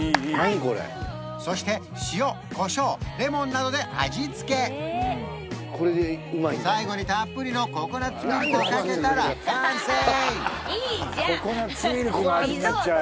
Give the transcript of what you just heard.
これそして塩コショウレモンなどで味付け最後にたっぷりのココナッツミルクをかけたら完成いいじゃん！